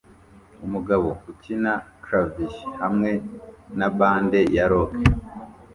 Umugabo ukina clavier hamwe na bande ya rock